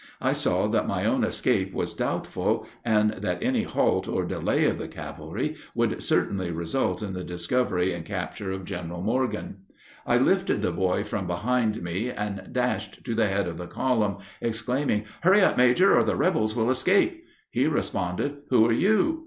I saw that my own escape was doubtful, and that any halt or delay of the cavalry would certainly result in the discovery and capture of General Morgan. I lifted the boy from behind me and dashed to the head of the column, exclaiming, "Hurry up, Major, or the rebels will escape!" He responded, "Who are you?"